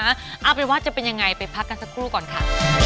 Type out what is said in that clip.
เอาเป็นว่าจะเป็นยังไงไปพักกันสักครู่ก่อนค่ะ